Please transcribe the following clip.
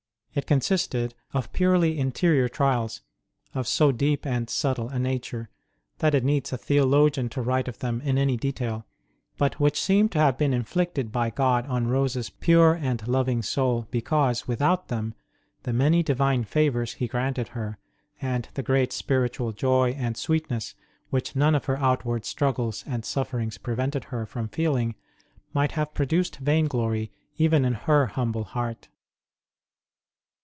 It consisted of purely interior trials of so deep and subtle a nature that it needs a theologian to write of them in any detail, but which seem to have 10 146 ST. ROSE OF LIMA been inflicted by God on Rose s pure and loving soul because, without them, the many Divine favours He granted her, and the great spiritual joy and sweetness which none of her outward struggles and sufferings prevented her from feel ing, might have produced vainglory even in her humble heart.